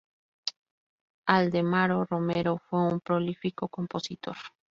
Aldemaro Romero fue un prolífico compositor.